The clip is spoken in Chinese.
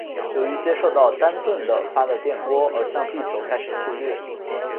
由于接受到丹顿的发的电波而向地球开始侵略。